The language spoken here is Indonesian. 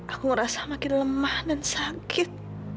aku merasa makin lemah dan sakit